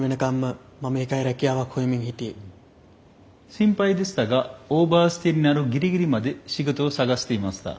心配でしたがオーバーステイになるギリギリまで仕事を探していました。